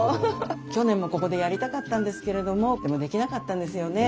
去年もここでやりたかったんですけれどもでもできなかったんですよね